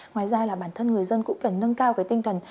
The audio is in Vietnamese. ngoài ra bản thân người dân cũng cần nâng cao tinh thần